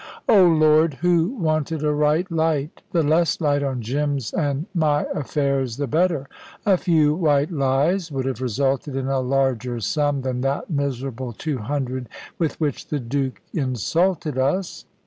"Oh, Lord, who wanted a right light? The less light on Jim's and my affairs the better. A few white lies would have resulted in a larger sum than that miserable two hundred with which the Duke insulted us."